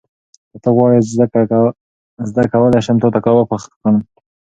که ته غواړې، زه کولی شم تاته کباب پخ کړم.